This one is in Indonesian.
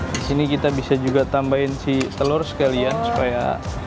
di sini kita bisa juga tambahin si telur sekalian supaya